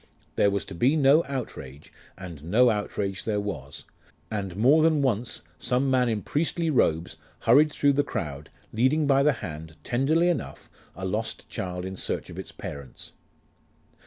There was to be no outrage, and no outrage there was: and more than once some man in priestly robes hurried through the crowd, leading by the hand, tenderly enough, a lost child in search of its parents.